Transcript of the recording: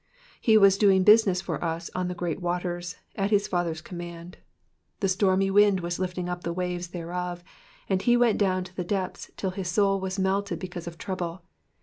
He was doing business for us on the great waters, at his Father's command ; the stormy wind was lifting up the waves thereof, and he went down to the depths till his soul was melted because of trouble.